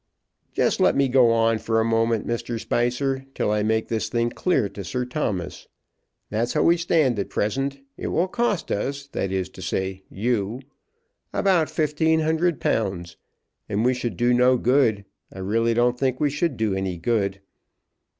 "Just let me go on for a moment, Mr. Spicer, till I make this thing clear to Sir Thomas. That's how we stand at present. It will cost us, that is to say you, about £1,500, and we should do no good. I really don't think we should do any good.